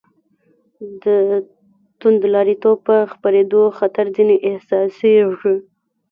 د توندلاریتوب د خپرېدو خطر ځنې احساسېږي.